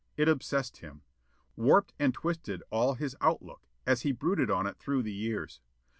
It obsessed him. Warped and twisted all his outlook as he brooded on it through the years.